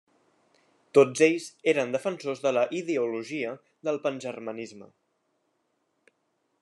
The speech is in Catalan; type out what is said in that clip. Tots ells eren defensors de la ideologia del pangermanisme.